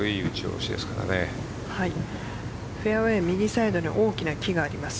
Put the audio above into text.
フェアウエー右サイドに大きな木があります。